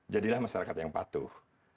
jadilah masyarakat yang patuh